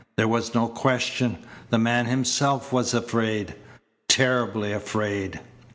There was no question. The man himself was afraid terribly afraid.